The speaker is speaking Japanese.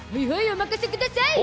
お任せください！